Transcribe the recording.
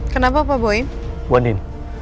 kenapa pak boyin